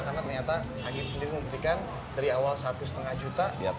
karena ternyata agit sendiri memberikan dari awal satu lima juta